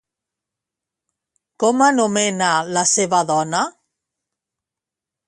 Com anomena la seva dona?